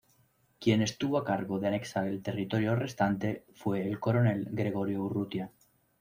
Quien estuvo a cargo de anexar el territorio restante fue el coronel Gregorio Urrutia.